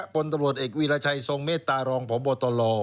บลตำรวจเอกวีรชัยทรงมศมตารองปบทร